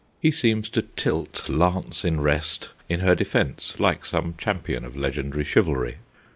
He seems to tilt, lance in rest, in her defence, like some champion of legendary chivalry.